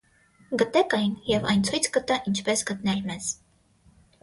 Գտեք այն և այն ցույց կտա ինչպես գտնել մեզ։